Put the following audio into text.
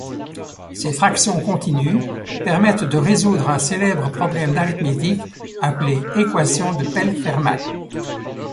Ces fractions continues permettent de résoudre un célèbre problème d'arithmétique appelé équation de Pell-Fermat.